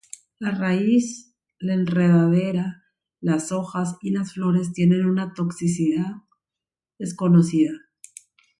La raíz, la enredadera, las hojas y las flores tienen una toxicidad desconocida.